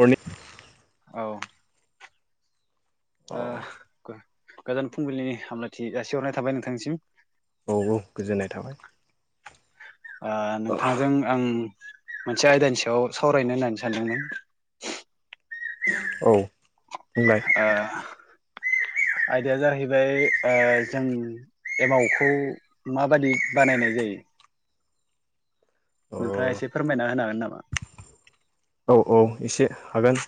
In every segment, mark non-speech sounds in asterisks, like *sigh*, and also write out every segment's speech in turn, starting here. मरनिं औ। अ गोजोन फुंबिलिनि हामलायथि जासिहरनाय थाबाय नोंथांनिसिम। औ औ गोजोननाय थाबाय नोंथांजों आं। मोनसे आयदानि सायाव सावरायनो होननानै सानदोंमोन। औ। बुंलाय ओ। आयदाया जाहैबाय जों एमावखौ माबायदि बानायनाय जायो। *inaudible* अ नोंथाङा एसे फोरमायना होनो हागोन नामा। औ औ एसे हागोन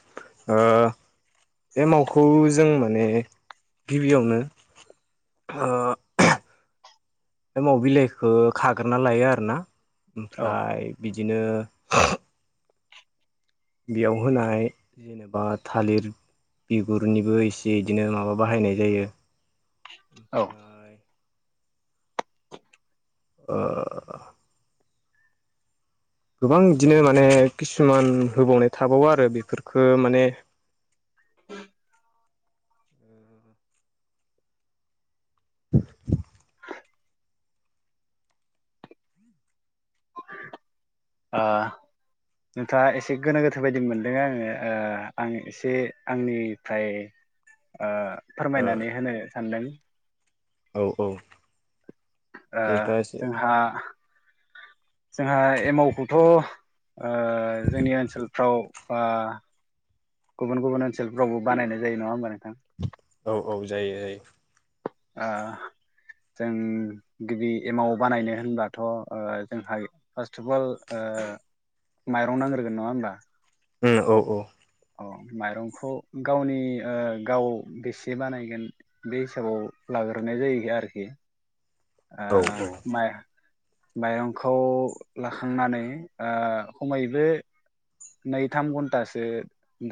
एमावखौ जों। माने गिबियावनो। औ एमाव बिलाइखो खाग्रोना लायो आरोना औ ओमफ्राय बिदिनो। *inaudible* बेयाव होनाय जेनेबा थालिर। बिगुरनिबो इसे इदिनो माबा बाहायनाय जायो। औ। ओमफ्राय ओ। गोबां बिदिनो माने किसुमान होबावनाय थाबावो आरो बेफोरफोरखो माने *inaudible* *inaudible* आ। नोंथाङा एसे गोनो गोथो बायदि मोनदों आङो आं एसे आंनिफ्राय ओ ओ फोरमायनानै होनो सानदों। औ औ। नोंथाङा एसे जोंहा जोंहा एमावखौथ' जोंनि ओनसोलफ्राव ओ गुबुन गुबुन ओनसोलफ्रावबो बानायनाय जायो नङा होमबा नोंथां? औ औ जायो जायो। ओ जों गिबि एमाव बानायनो होनब्लाथ' जोंहा फार्स्ट अफ अल ओ माइरं नांग्रोगोन नङा होमबा? उम औ औ। औ माइरंखौ गावनि गाव बेसे बानायगोन बे हिसाबाव बाग्रोनाय जायो आरोखि ओ औ माइ मायरंखौ लाखांनानै ओ खमैबो नै थाम घन्टासो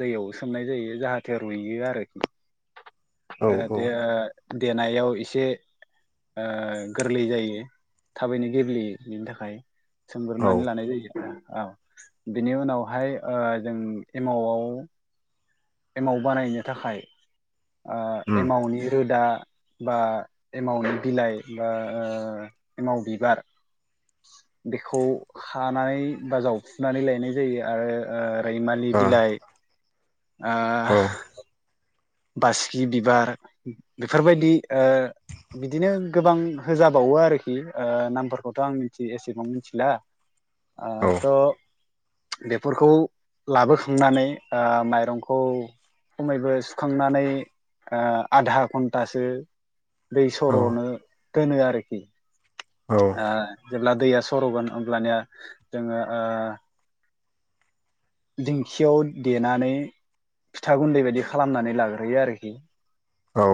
दैयाव सोमनाय जायो जाहाथे रुइयो आरोखि औ जाहाथे देनायाव एसे ओ गोरलै जायो थाबैनो गेब्लेयो बेनि थाखाय औ सोमग्रोनानै लानाय जायो औ बिनि उनावहाय ओ जों एमावआव एमाउ बानायनो थाखाय ओ उम एमाउटनि रोदा बा एमावनो बिलाइ बा ओ एमाव बिबार बेखौ हानानै बा जावफुनानै लायनाय जायो आरो ओ रैमालि ओ औ बिलाइ ओ बासगि बिबार बेफोरबायदि ओ बिदिनो गोबां होजाबावो आरोखि ओ नामफोरखौथ' आं मिथि एसेबां मिथिला आथ' बेफोरखौ लाबोखांनानै ओ माइरंखौ खमैबो खांनानै ओ आधा घन्टासो दै औ सर'नो दोनो आरोखि औ ओ जेब्ला दैया सर'गोन होमब्लानिया जोङो ओ दिंखियाव देनानै फिथा गुन्दै बायदि हो खालामनानै लाग्रोयो आरोखि औ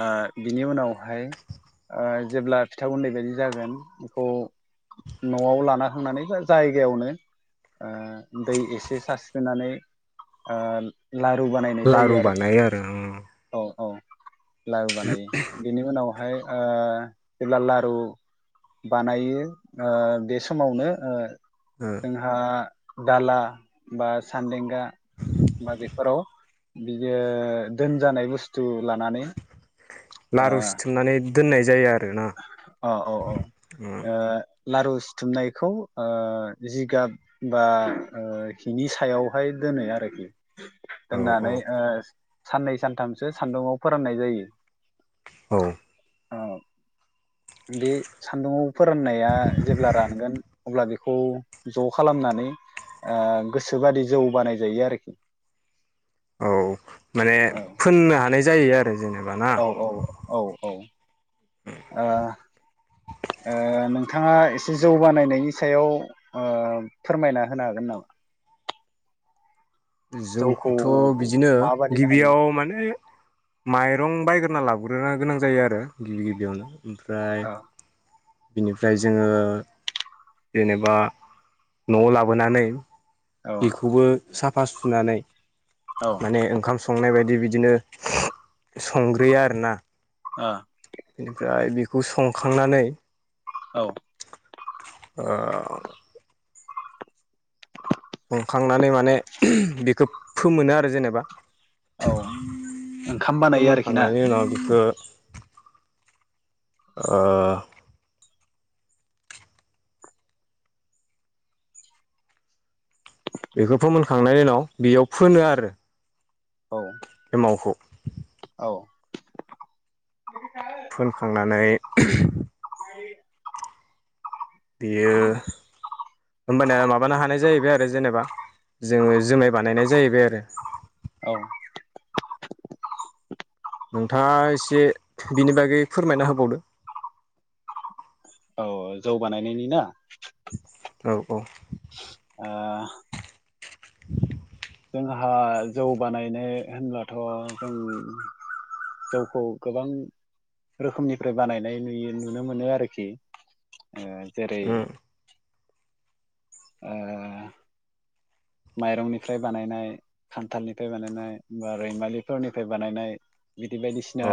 ओ बिनि उनावहाय ओ जेब्ला फिथा उन्दै बायदि जागोन बेखौ न'आव लाना थांनानै बा जायगायावनो ओ दै एसे सारस्रिनानै ओ लारु बानायनाय जायो लारु आरोखि बानायो आरो उम औ लारु बानायो बेनि उनावहाय ओ जेब्ला लारु बानायो बे समावनो ओ जोंहा दाला बा सान्दें दा बा बेफोराव बियो दोन जानाय बुस्थु बुस्थु लानानै लारु सिथुमनानै दोननाय जायो आरो अ औ औ लारु सिुथुमनायखौ जिगाब बा हिनि सायावहाय दोनो आरोखि औ औ दोननानै ओ साननै सानथामसो सान्दुंङाव फोराननाय जायो औ औ बे सान्दुंङाव फोराननाया जेब्ला रानगोन अब्ला बेखौ ज' खालामनानै ओ गोसोबादि जौ बानाय जायो आरोखि औ माने औ फोननो हानाय जायो आ औ औ औ औ आ - ओ नोंथाङा एसे जौ बानायनायनि सायाव ओ फोरमायना होनो हागोन ना? *unintelligible* जौखुथ' बिदिनो माबादि बानायो गिबियाव माने माइरं बायग्रो ना लाबग्रोनो गोनां जायो आरो गिबि गिबियावनो ओमफ्राय औ बिनिफ्राय जोङो जेनेबा न'आव लाबोनानै औ बिखौबो साफा सुुनानै औ ओ माने ओंखाम स संनाय बायदि बिदिनो संग्रोयो आरोना आ आय बिखौ संखांनानै औ *inaudible* संखांनानै माने बिखौ फोमोनो आरो जेनेबा औ ओंखाम बानायो आरोखि ना फोमोनखांनायनि उनाव बिखौ ओ बेखो फोमोनखांनायनि उनाव बेयाव फोनो आरो औ एमावखौ औ फोनखांनानै *inaudible* बियो होमबानिया माबानो हानाय जाहैबाय आरो जेनेबा जोङो जोमाय बानायनाय जाहैबाय आरो औ नोंथाङा इसे बिनि बागै फोरमायना होबावदो औ जौ बानायनायनि ना औ औ आ *inaudible* जोंहा जौ बानायनो होनब्लाथ' जों जौखौ गोबां रोखोमनिफ्राय बानायनाय नुयो नुनो मोनो आरोखि ओ जेरै उम ओ माइरंनिफ्राय बानायनाय खान्थालनिफ्राय बानायनाय बा रैमालिफोरनिफ्राय बानायनाय बिदि बायदिसिना औ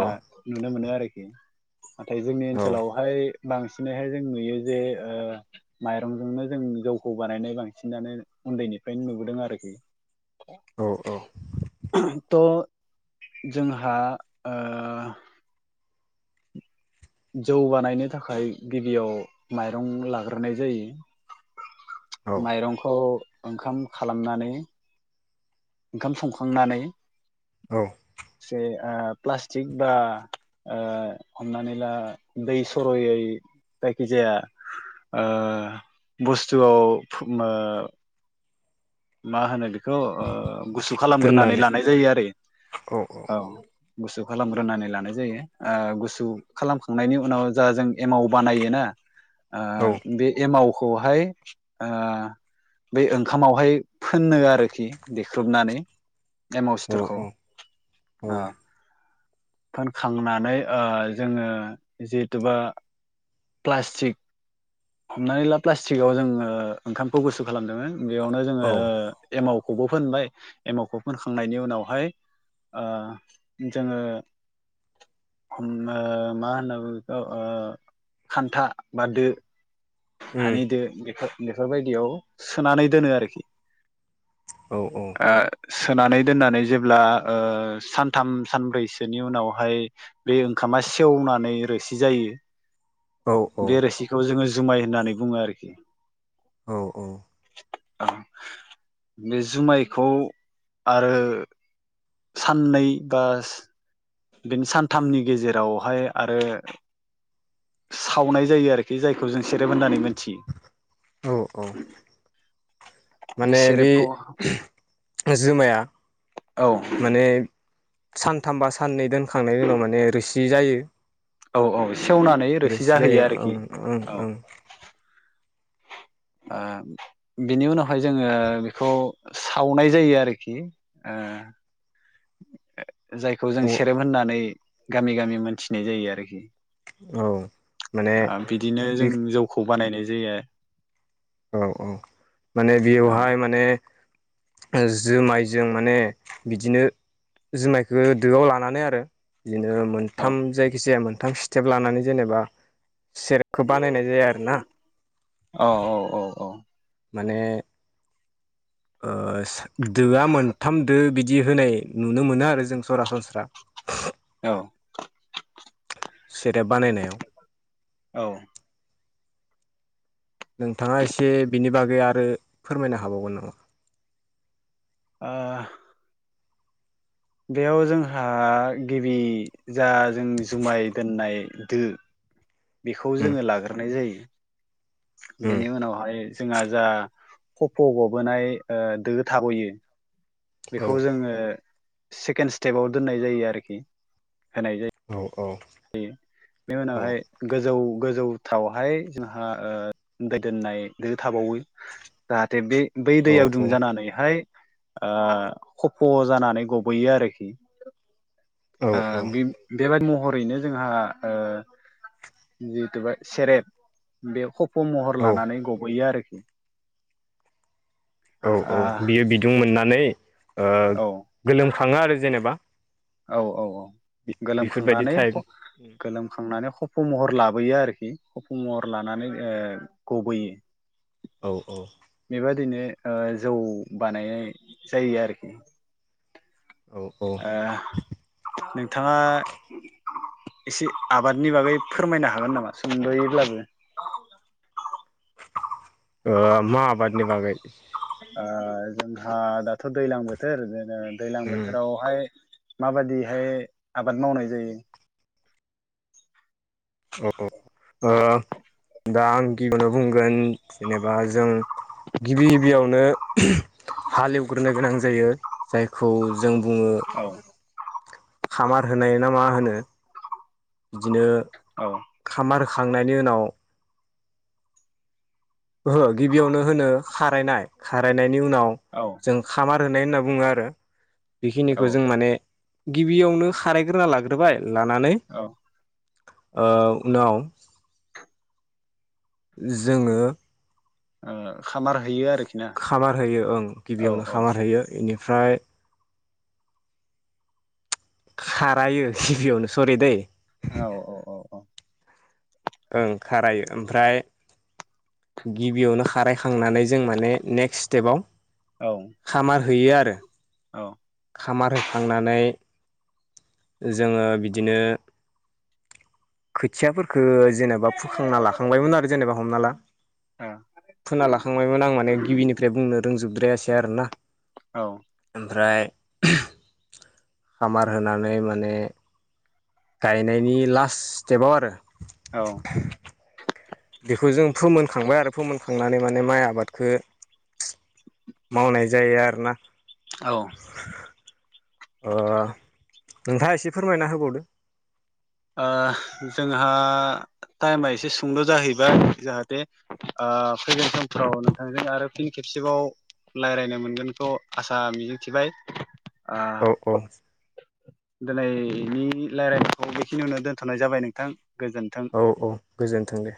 नुनो मोनो आरोखि नाथाय जोंनि औ ओनसोलावहाय बांसिनैहाय जों नुयो जे ओ माइरंजोंनो जों जौखौ बानायनाय बांसिनानो उन्दैनि फ्रायनो नुबोदों आरोखि औ त' जोंहा ओ जौ बानायनो थाखाय गिबियाव माइरं लाग्रोनाय जायो औ माइरंखौ ओंखाम खालामनानै ओंखाम संखांनानै औ से ओ प्लास्टिक बा ओ हमनानै ला दै सर'यै जायखिजाया ओ बुस्थुआव फुम ओ मा होनो बिखौ ओ गुसु खालामग्रोनानै दोननानै लानाय जायो आरो औ गुसु खालामग्रोनानै लानाय जायो आ गुसु खालामखांनायनि उनाव जा जों एमाव बानायोना आ औ बे एमावखौहाय ओ बै ओंखामावहाय फोननो आरोखि देख्रुबनानै एमाव औ सिथरखौ औ औ फोनखांनानै ओ जोङो जिहेतुबा प्लास्टिक हमनानै ला प्लास्टिकआव जोङो ओंखामखौ गुसु खालामदों बेयावनो जोङो एमाव खौबो फोनबाय एमावखौ फोनखांनायनि उनावहाय ओ जोङो उम ओ मा होनना बुङो बेखौ ओ खान्था बा दो उम हानिदो बेफोर बेफोरबायदियाव सोनानै दोनो आरोखि औ औ ओ सोनानै दोननानै जेब्ला ओ सानथाम सानब्रैसोनि उनावहाय बे ओंखाम मा सेवनानै रोसि जायो औ बे रोसिखौ जोङो जुमाय होननानै बुङो आरोखि औ औ बे जुमायखौ आरो साननै बा बेनि सानथामनि गेजेरावहाय आरो सावनाय जायो आरोखि जायखौ खौ जों सेरेब होननानै औ औ मोनथियो माने बे जुमाया औ सानथामबा साननै दोनखांनायनि उनाव माने रोसि जायो औ औ सेवनानै रोसि जायो जाहोयो ओं आरोखि औ ओं ओ बिनि उनावहाय जोङो बेखौ सावनाय जायो आरोखि ओ *inaudible* ओ जायखौ जों ओं सेरेब होननानै गामि गामि मोनथिनाय जायो आरोखि औ माने ओ बिदिनो बे जों जौखौ बानायनाय जायो औ औ माने औ बेवहाय माने जुमायजों माने बिदिनो जुमायखौ दोआव लानानै आरो बिदिनो औ मोनथाम जायखिजाया मोनथाम स्टेप लानानै जेनेबा सेरेपखौ बानायनाय जाया आरो ना औ औ औ माने ओ दोआ मोनथाम दो बिदि बिदि होनाय नुनो मोनो आरो जों सरासनस्रा औ सेरेब बानायनायाव औ नोंथाङा एसे बिनि बागै आरो फोरमायनो हाबावगोन नामा *inaudible* ओ बेयाव जोंहा गिबि जा जों जुमाय दोननाय दो बेखौ उम जोङो लाग्रोनाय जायो उम बेनि उनावहाय जोंहा जा खफ' गबोनाय ओ दो थाबोयो औ बेखौ जोङो सेकेण्ड स्टेपाव दोननाय जायो आरोखि होनाय जायो औ बेनि औ उनावहाय गोजौ गोजौ थावहाय जोंहा ओ दै दोननाय दो थाबावो जाहाथे बे बै दैयाव औ दुंजानानैहाय ओ खफ' जानानै गबोयो आरोखि बि बेेबारि म *inaudible* हरैनो जोंहा ओ जिथु बा सेरेब बे खफ' खफ' महर औ लानानै गबयो आरोखि औ औ बियो बिदुं मोननानै ओ गोलोमखाङो आरो जेनेबा औ औ औ बेफोरबायदि गोलोमखांनानै टाइप गोलोमखांनानै खफौ महर लाबोयो आरोखि खफौ महर लानानै ओ गबोयो। औ औ। बेबादिनो ओ जौ बानायनाय जायो आरोखि। औ ओ नोंथाङा। इसे आबादनि बागै फोरमायनो हागोन नामा सुंद'यैब्लाबो। ओ मा आबादनि बागै। ओ जोंहा दाथ' दैलां बोथोर बिदिनो दैलां उम बोथोरावहाय। माबादिहाय आबाद मावनाय जायो। अ अ ओ। दा आं गिबियावनो बुंगोन जेनेबा जों। गिबि गिबियावनो हाल एवग्रोनो गोनां जायो जायखौ। जों बुङो औ खामार होनाय ना मा होनो। बिदिनो। औ। खांनायनि उनाव ओहो गिबियावनो होनो खारायनाय खारायनायनि उनाव औ जों खामा होनाय होनना बुङो आरो औ बेखिनिखौ जों माने गिबियावनो खारायग्रोना लाग्रोबाय लानानै ओ उनाव जोङो ओ खामार होयो आरो। खामार होयो ओं गिबियावनो खामार होयो इनिफ्राय खारायो गिबियावनो सरि दे। औ औ औ औ। ओं खारायो ओमफ्राय गिबियावनो खारायखांनानै जों माने नेक्स्ट स्टेपाव औ खामार होयो आरो। औ खामार होखांनानै जोङो बिदिनो खोथियाफोरखो जेनेबा फुखांना लाखांबायमोन आरो जेनेबा हमना ला। फोनालाखांबायमोन आं माने गिबिनिफ्राय बुंनो रोंजोबद्रायासै आरोना औ ओमफ्राय खामार होनानै माने गायनायनि लास्ट स्टेपाव आरो। औ। बेखौ जों फोमोनखांबाय आरो फोमोनखांनानै माने माइ आबादखो मावनाय जायो आरोना। औ। ओ नोंथाङा एसे फोरमायना होबावदो। ओ जोंहा टाइमआ एसे सुंद' जाहैबाय जाहाथे ओ फैगोन समफ्राव नोंथांजों आरो फिन खेब सेबाव लायरायनो मोनगोनखौ आसा मिजिंथिबाय। ओ औ औ। दिनैनि लायरायनायखौ बेखिनियावनो दोनथ'नाय जाबाय नोंथां। गोजोन्थों। औ औ गोजोन्थों दे।